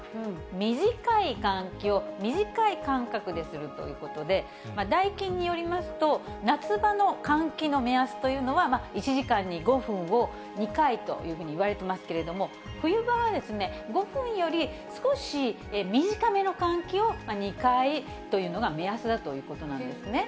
短い換気を短い間隔でするということで、ダイキンによりますと、夏場の換気の目安というのは、１時間に５分を２回というふうにいわれてますけれども、冬場は５分より少し短めの換気を２回というのが目安だということなんですね。